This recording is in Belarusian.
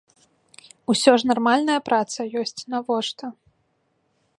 Усё ж нармальная праца ёсць, навошта.